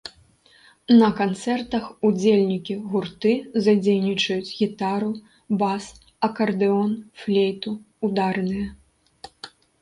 На канцэртах удзельнікі гурты задзейнічаюць гітару, бас, акардэон, флейту, ударныя.